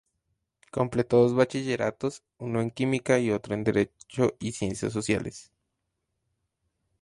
Completó dos bachilleratos, uno en Química, y otro en Derecho y Ciencias Sociales.